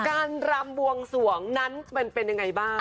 รำบวงสวงนั้นมันเป็นยังไงบ้าง